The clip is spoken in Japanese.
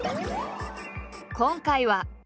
今回は。